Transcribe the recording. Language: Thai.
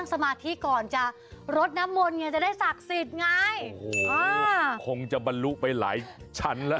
ง่ายโอ้โหคงจะบรรลุไปหลายชั้นแล้ว